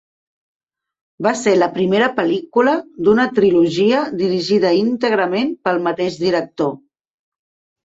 Va ser la primera pel·lícula d'una trilogia dirigida íntegrament pel mateix director.